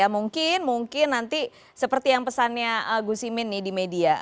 mungkin seperti yang pesannya gus imin di media